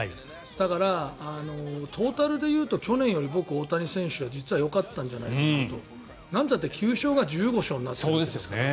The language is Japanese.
だから、トータルでいうと去年より大谷選手は実はよかったんじゃないかなと。なんたって９勝が１５勝になったんですから。